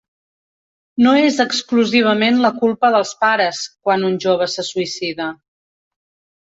No és exclusivament la culpa dels pares, quan un jove se suïcida.